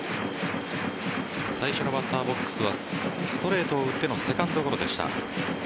最初のバッターボックスはストレートを打ってのセカンドゴロでした。